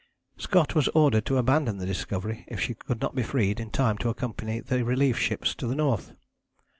" Scott was ordered to abandon the Discovery if she could not be freed in time to accompany the relief ships to the north.